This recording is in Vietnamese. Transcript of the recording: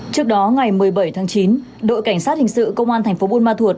trước đó ngày một mươi bảy tháng chín đội cảnh sát hình sự công an thành phố buôn ma thuột